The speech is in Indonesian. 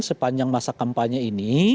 sepanjang masa kampanye ini